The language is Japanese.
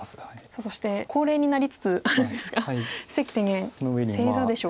そして恒例になりつつあるんですが関天元正座でしょうか。